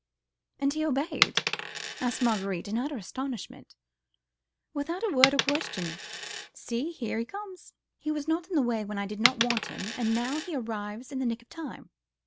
"And he obeyed?" asked Marguerite, in utter astonishment. "Without word or question. See, here he comes. He was not in the way when I did not want him, and now he arrives in the nick of time.